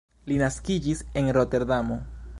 Li naskiĝis en Roterdamo.